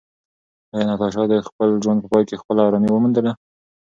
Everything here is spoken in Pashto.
ایا ناتاشا د خپل ژوند په پای کې خپله ارامي وموندله؟